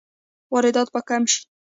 واردات به کم شي؟